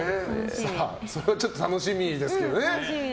ちょっと楽しみですけどね。